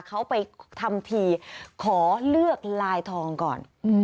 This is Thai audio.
เขาไปทำทีขอเลือกลายทองก่อน